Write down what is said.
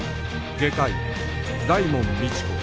外科医大門未知子